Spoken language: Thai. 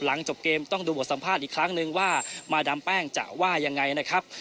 จบเกมต้องดูบทสัมภาษณ์อีกครั้งนึงว่ามาดามแป้งจะว่ายังไงนะครับ